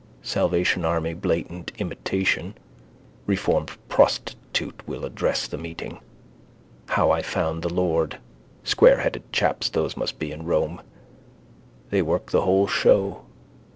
Salvation army blatant imitation. Reformed prostitute will address the meeting. How I found the Lord. Squareheaded chaps those must be in Rome: they work the whole show.